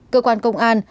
cơ quan công an